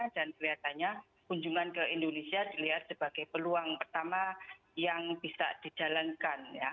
dan kelihatannya kunjungan ke indonesia dilihat sebagai peluang pertama yang bisa dijalankan